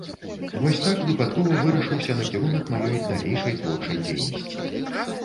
Вось так выпадкова вырашыўся накірунак маёй далейшай творчай дзейнасці.